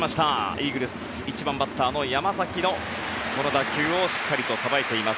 イーグルス１番バッターの山崎の打球をしっかりとさばいています。